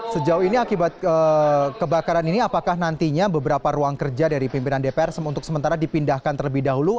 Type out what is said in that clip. sejauh ini akibat kebakaran ini apakah nantinya beberapa ruang kerja dari pimpinan dpr untuk sementara dipindahkan terlebih dahulu